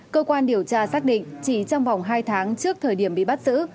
cơ quan điều tra xác định chỉ trong vòng hai tháng trước thời điểm bị bắt giữ